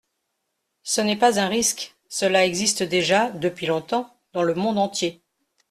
Ce n’est pas un risque : cela existe déjà, depuis longtemps, dans le monde entier.